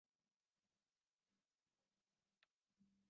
bityo twifashishije ubushakashatsi butandukanye